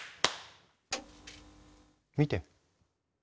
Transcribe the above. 見て。